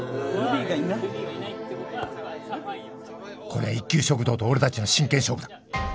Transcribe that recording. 「これは一休食堂と俺たちの真剣勝負だ。